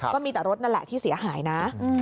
ก็มีแต่รถนั่นแหละที่เสียหายนะ